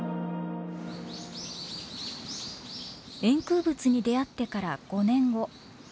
円空仏に出会ってから５年後。